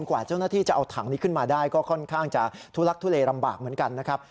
กว่าเจ้าหน้าที่จะเอาถังนี้ขึ้นมาได้ก็ค่อนข้างจะทุลักทุเลลำบากเหมือนกันนะครับ